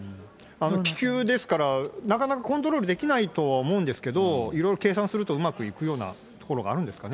気球ですから、なかなかコントロールできないとは思うんですけど、いろいろ計算するとうまくいくところがあるんですかね。